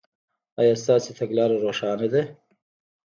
ایا ستاسو تګلاره روښانه ده؟